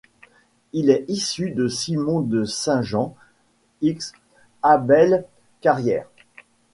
Il est issu de 'Simon de Saint-Jean' x 'Abel Carrière'.